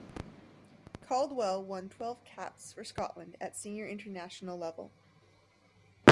Caldwell won twelve caps for Scotland at senior international level.